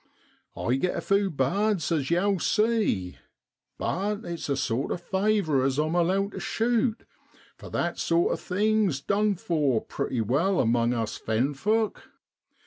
I get a few birds, as yow see, but it's a sort of favour as I'm allowed to shoot, for that sort of thing's done for pretty well among us fenfolk.